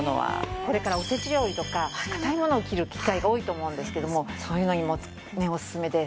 これからおせち料理とか硬いものを切る機会が多いと思うんですけどもそういうのにもねおすすめです。